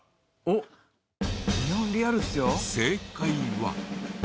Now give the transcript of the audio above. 正解は。